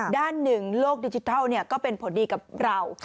ด้านหนึ่งโลกดิจิทัลก็เป็นผลดีกับเรา